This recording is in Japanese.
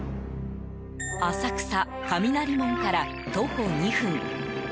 浅草・雷門から徒歩２分。